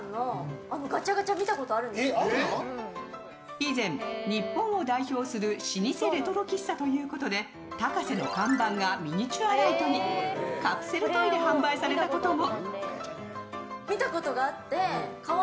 以前、日本を代表する老舗レトロ喫茶ということでタカセの看板がミニチュアライトにカプセルトイで販売されたことも。